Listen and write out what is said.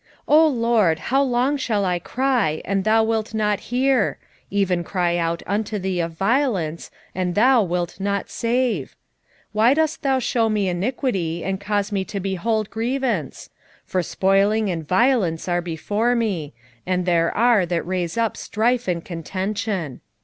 1:2 O LORD, how long shall I cry, and thou wilt not hear! even cry out unto thee of violence, and thou wilt not save! 1:3 Why dost thou shew me iniquity, and cause me to behold grievance? for spoiling and violence are before me: and there are that raise up strife and contention.